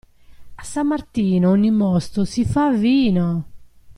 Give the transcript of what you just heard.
A San Martino ogni mosto si fa vino.